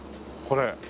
これ。